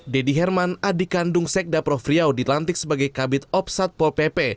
deddy herman adik kandung sekda prof riau dilantik sebagai kabit opsatpol pp